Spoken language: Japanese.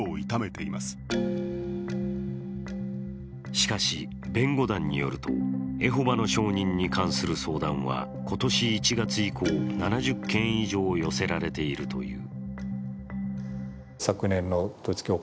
しかし、弁護団によるとエホバの証人に関する相談は今年１月以降、７０件以上寄せられているという。